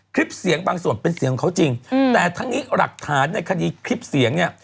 คลิปเสียงบางส่วนเป็นเสียงของเขาจริงแต่ทั้งนี้หลักฐานในคดีคลิปเสียงเนี่ย